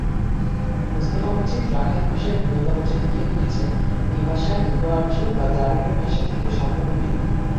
Mustafa Majid Rakhine ভাষার ভিন্নতা বোঝাতে গিয়ে লিখেছেন, ‘এই ভাষা ইন্দো-আর্য বা দ্রাবিড়ীয় ভাষা থেকে সম্পূর্ণ ভিন্ন।